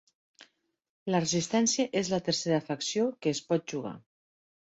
La Resistència és la tercera facció que es pot jugar.